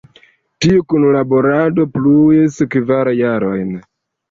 Tiu kunlaborado pluis kvar jarojn.